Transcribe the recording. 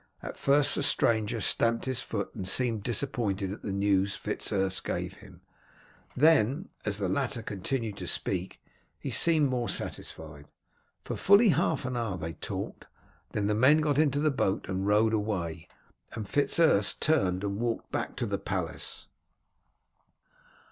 At first the stranger stamped his foot and seemed disappointed at the news Fitz Urse gave him, then as the latter continued to speak he seemed more satisfied. For fully half an hour they talked, then the men got into the boat and rowed away, and Fitz Urse turned and walked back to the palace.